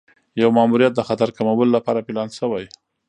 یو ماموریت د خطر کمولو لپاره پلان شوی.